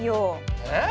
え！？